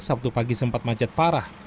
sabtu pagi sempat macet parah